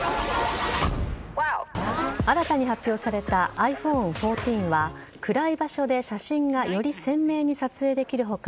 新たに発表されたｉＰｈｏｎｅ１４は暗い場所で写真がより鮮明に撮影できる他